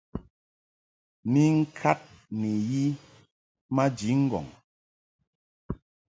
Ni ŋkad ni yi maji ŋgɔŋ.